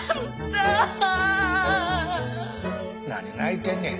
何泣いてんねん。